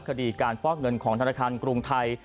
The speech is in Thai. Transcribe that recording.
คดีการฟอกเงินของธนาคารกรุงไทย